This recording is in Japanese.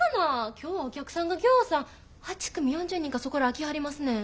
今日はお客さんがぎょうさん８組４０人かそこらは来はりますねん。